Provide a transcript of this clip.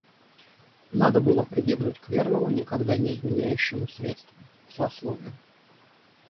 Надо было прибегнуть к верному, никогда не изменяющему средству — злословию.